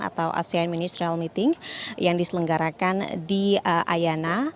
atau asean ministerial meeting yang diselenggarakan di ayana